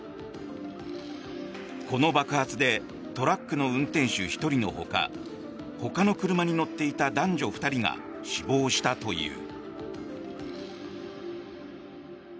この爆発でトラックの運転手１人のほかほかの車に乗っていた男女２人が死亡したという。